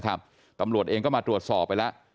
ตำรวจเองก็มาตรวจสอบไปแล้ว